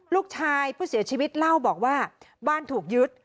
ลูกชายผู้เสียชีวิตเล่าบอกว่าบ้านถูกยึด